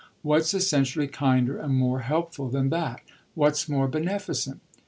What's essentially kinder and more helpful than that, what's more beneficent?